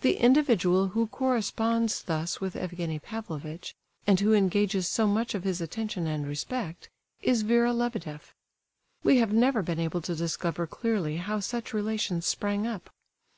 The individual who corresponds thus with Evgenie Pavlovitch, and who engages so much of his attention and respect, is Vera Lebedeff. We have never been able to discover clearly how such relations sprang up.